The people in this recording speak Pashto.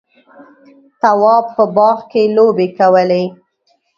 تواب په باغ کې لوبې کولې.